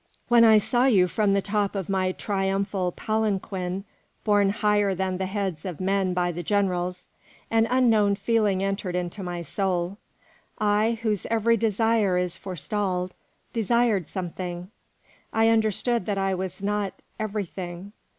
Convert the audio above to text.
When I saw you from the top of my triumphal palanquin, borne higher than the heads of men by the generals, an unknown feeling entered into my soul. I, whose every desire is forestalled, desired something; I understood that I was not everything.